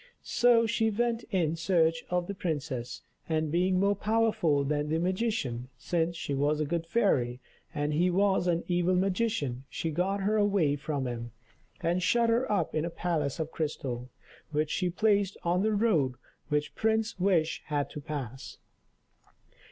So she went in search of the princess, and being more powerful than the magician, since she was a good fairy, and he was an evil magician, she got her away from him, and shut her up in a palace of crystal, which she placed on the road which Prince Wish had to pass.